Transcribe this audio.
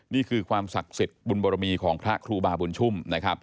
นี่คือความศักดิ์สิทธิ์บุญบรมีของพระครูบาบุญชุ่มนะครับ